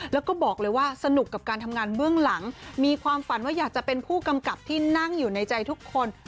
แล้วก็บอกเลยว่าสนุกกับการทำงานเบื้องหลังมีความฝันว่าอยากจะเป็นผู้กำกับที่นั่งอยู่ในใจทุกคน